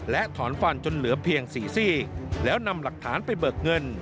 และถอนฟันจนเหลือเพียง๔ซี่แล้วนำหลักฐานไปเบิกเงิน